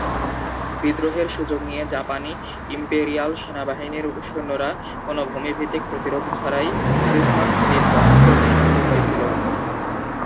বিদ্রোহের সুযোগ নিয়ে জাপানি ইম্পেরিয়াল সেনাবাহিনীর সৈন্যরা কোন ভূমি-ভিত্তিক প্রতিরোধ ছাড়াই ক্রিসমাস দ্বীপ দখল করতে সক্ষম হয়েছিল।